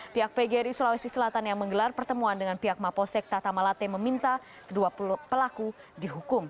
pihak pgri sulawesi selatan yang menggelar pertemuan dengan pihak maposek tata malate meminta kedua pelaku dihukum